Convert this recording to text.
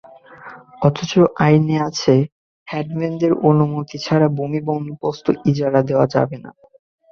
অথচ আইনে আছে, হেডম্যানদের অনুমতি ছাড়া ভূমি বন্দোবস্ত, ইজারা দেওয়া যাবে না।